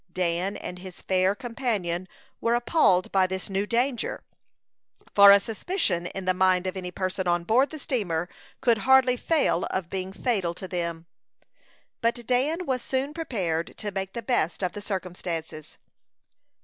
Dan and his fair companion were appalled by this new danger; for a suspicion in the mind of any person on board the steamer could hardly fail of being fatal to them. But Dan was soon prepared to make the best of the circumstances.